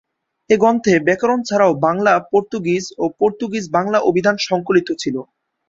এ গ্রন্থে ব্যাকরণ ছাড়াও বাংলা-পর্তুগিজ ও পর্তুগিজ-বাংলা অভিধান সংকলিত ছিল।